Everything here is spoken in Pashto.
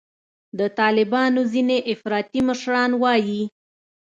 د طالبانو ځیني افراطي مشران وایي